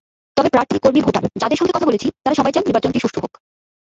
তবে প্রার্থী-কর্মী-ভোটার যাঁদের সঙ্গে কথা বলেছি, তাঁরা সবাই চান নির্বাচনটি সুষ্ঠু হোক।